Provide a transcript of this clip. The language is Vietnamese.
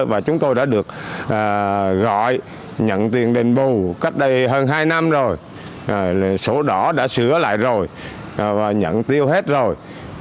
và chúng tôi đã được gọi nhận tiền đền bù cách đây hơn hai năm rồi sổ đỏ đã sửa lại rồi và nhận tiêu hết rồi